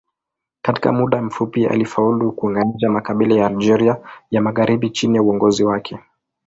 Katika muda mfupi alifaulu kuunganisha makabila ya Algeria ya magharibi chini ya uongozi wake.